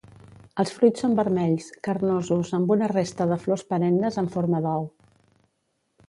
Els fruits són vermells, carnosos amb una resta de flors perennes en forma d'ou.